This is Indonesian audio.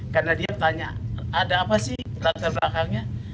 karena dia tanya ada apa sih latar belakangnya